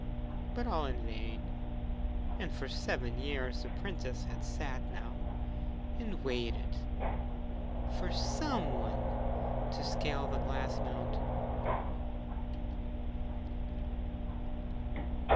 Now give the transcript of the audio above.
But all in vain, and for seven years the Princess had sat now and waited for some one to scale the Glass Mountain.